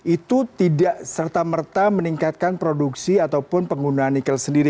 itu tidak serta merta meningkatkan produksi ataupun penggunaan nikel sendiri